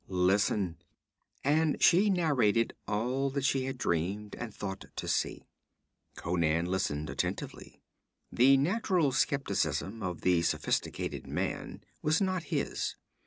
Listen!' And she narrated all that she had dreamed and thought to see. Conan listened attentively. The natural skepticism of the sophisticated man was not his.